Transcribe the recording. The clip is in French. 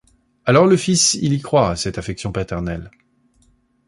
Alors le fils il y croit, à cette affection paternelle.